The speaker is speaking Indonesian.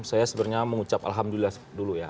saya sebenarnya mengucap alhamdulillah dulu ya